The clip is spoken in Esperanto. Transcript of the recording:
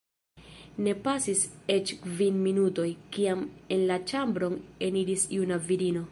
Ne pasis eĉ kvin minutoj, kiam en la ĉambron eniris juna virino.